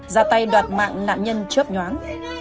già tay đoạt mạng nạn nhân chớp nhoáng